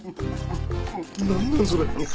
何なんそれ？